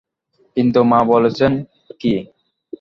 কিন্তু মা বলছেন কী?